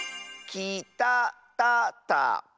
きたたたか？